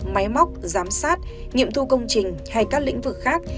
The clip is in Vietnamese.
máy móc giám sát nghiệm thu công trình hay các lĩnh vực khác